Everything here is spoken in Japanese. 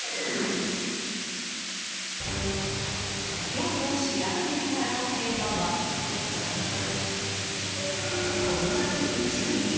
今日のしらべてみたらのテーマはこの夏に注意！